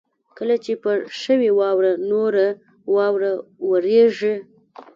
کله چې پر شوې واوره نوره واوره ورېږي.